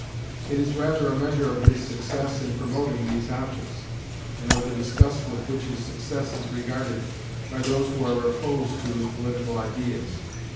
It is rather a measure of his success in promoting these objects, and of the disgust with which his success is regarded by those who are opposed to his political ideas.